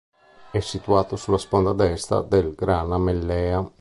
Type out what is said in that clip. È situato sulla sponda destra del Grana-Mellea.